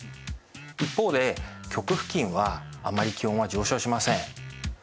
一方で極付近はあまり気温は上昇しません。